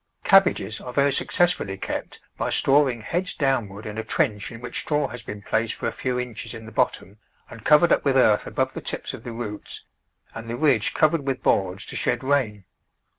Cabbages are very successfully kept by storing heads downward in a trench in which straw has been placed for a few inches in the bottom and covered up with earth above the tij^s of the roots and the ridge covered with boards to shed rain.